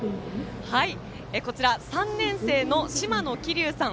こちら３年生の島野希隆さん